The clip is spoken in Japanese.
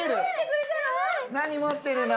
何持ってるの？